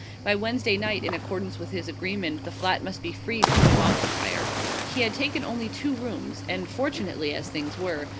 By Wednesday night, in accordance with his agreement, the flat must be free for the new occupier. He had taken only two rooms, and fortunately as things were.